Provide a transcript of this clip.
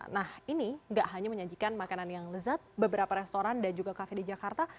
nah ini nggak hanya menyajikan makanan yang lezat beberapa restoran dan juga kafe di jakarta